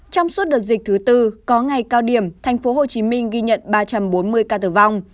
trong suốt đợt dịch thứ tư có ngày cao điểm tp hcm ghi nhận ba trăm bốn mươi ca tử vong